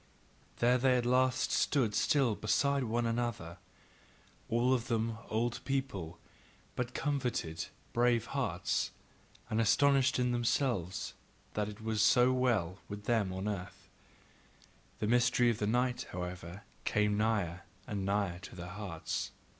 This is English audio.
There they at last stood still beside one another; all of them old people, but with comforted, brave hearts, and astonished in themselves that it was so well with them on earth; the mystery of the night, however, came nigher and nigher to their hearts.